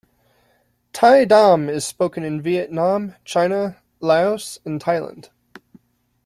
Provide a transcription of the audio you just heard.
Tai Dam is spoken in Vietnam, China, Laos, and Thailand.